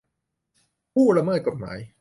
ผู้ละเมิดกฎหมาย